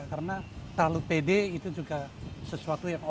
karena terlalu pede itu juga sesuatu yang